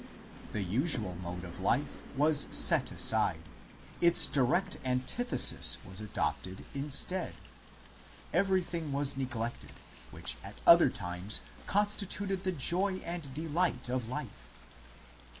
The usual mode of life was set aside, its direct antithesis was adopted instead ; everything was neglected which at other times constituted the joy and delight of life.